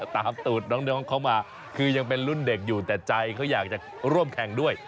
ตูดน้องเขามาคือยังเป็นรุ่นเด็กอยู่แต่ใจเขาอยากจะร่วมแข่งด้วย